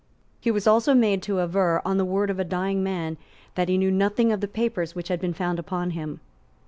He was also made to aver, on the word of a dying man, that he knew nothing of the papers which had been found upon him.